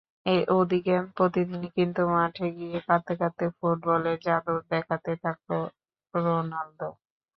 ওদিকে প্রতিদিনই কিন্তু মাঠে গিয়ে কাঁদতে কাঁদতে ফুটবলের জাদু দেখাতে থাকল রোনালদো।